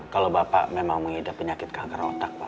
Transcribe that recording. kalau bapak memang mengidap penyakit kanker otak pak